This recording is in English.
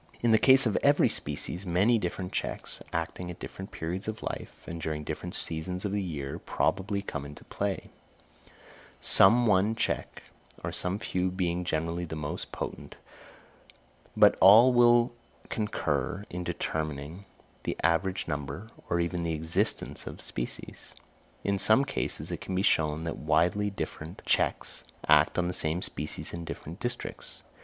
In the case of every species, many different checks, acting at different periods of life, and during different seasons or years, probably come into play; some one check or some few being generally the most potent, but all will concur in determining the average number, or even the existence of the species. In some cases it can be shown that widely different checks act on the same species in different districts.